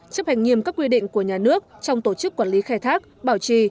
chấp hành nghiêm các quy định của nhà nước trong tổ chức quản lý khai thác bảo trì